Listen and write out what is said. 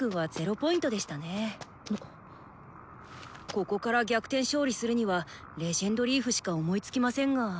ここから逆転勝利するには「レジェンドリーフ」しか思いつきませんが。